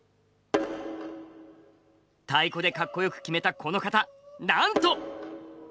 太鼓でカッコよくキメたこの方なんと！